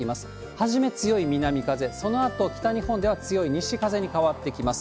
初め強い南風、そのあと北日本では強い西風に変わってきます。